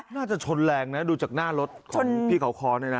น่าจะชนแรงนะดูจากหน้ารถของพี่เขาคอเนี่ยนะ